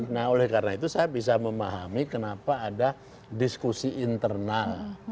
nah oleh karena itu saya bisa memahami kenapa ada diskusi internal